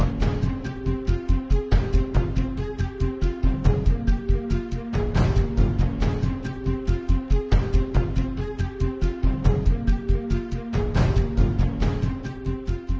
โปรดติดตามตอนต่อไป